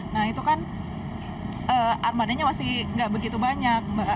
nah itu kan armadanya masih nggak begitu banyak